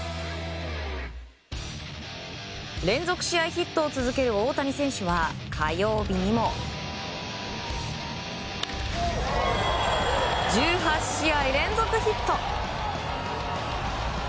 ヒットを続ける大谷選手は、火曜日にも。１８試合連続ヒット。